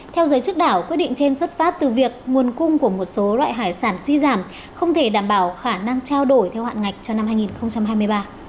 theo giới chức đảo quyết định trên xuất phát từ việc nguồn cung của một số loại hải sản suy giảm không thể đảm bảo khả năng trao đổi theo hạn ngạch cho năm hai nghìn hai mươi ba